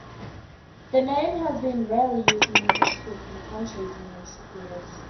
The name has been rarely used in English-speaking countries in recent years.